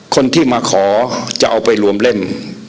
คนที่มาขอจะเอาไปรวมเล่น